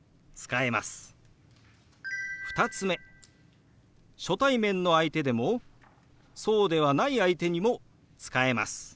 ２つ目初対面の相手でもそうではない相手にも使えます。